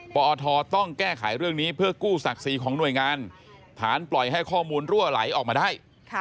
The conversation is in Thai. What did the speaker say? ปอทต้องแก้ไขเรื่องนี้เพื่อกู้ศักดิ์ศรีของหน่วยงานฐานปล่อยให้ข้อมูลรั่วไหลออกมาได้